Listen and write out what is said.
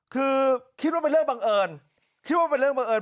คือคิดว่าเป็นเรื่องบังเอิญคิดว่าเป็นเรื่องบังเอิญ